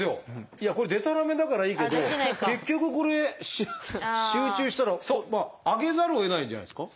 いやこれでたらめだからいいけど結局これ集中したら上げざるをえないんじゃないですか。